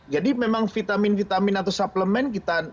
jadi memang vitamin vitamin atau suplemen kita